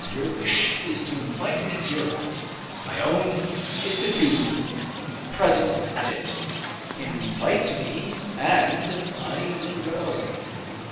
Your wish is to invite me to your fete, my own is to be present at it; invite me and I will go."